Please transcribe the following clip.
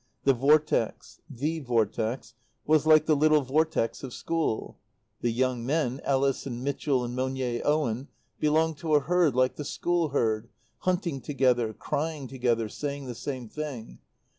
The vortex the Vortex was like the little vortex of school. The young men, Ellis and Mitchell and Monier Owen belonged to a herd like the school herd, hunting together, crying together, saying the same thing.